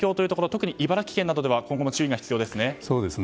特に、茨城県などでは今後も注意が必要ですね。